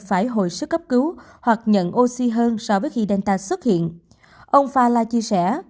nội sức cấp cứu hoặc nhận oxy hơn so với khi delta xuất hiện ông fala chia sẻ